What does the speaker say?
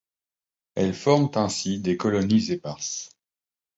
Elles forment ainsi des colonies éparses.